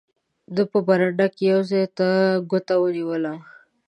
ده په برنډه کې یو ځای ته ګوته ونیوله.